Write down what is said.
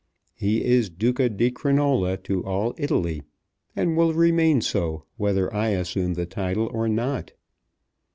He is Duca di Crinola to all Italy, and will remain so whether I assume the title or not.